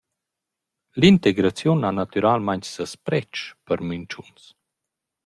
L’integraziun ha natüralmaing seis predsch per Minschuns.